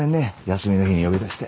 休みの日に呼び出して。